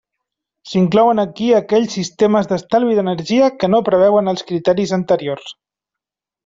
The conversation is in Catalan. S'inclouen aquí aquells sistemes d'estalvi d'energia que no preveuen els criteris anteriors.